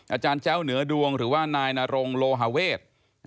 อาจารย์แจ้วเหนือดวงหรือว่านายนรงโลหาเวท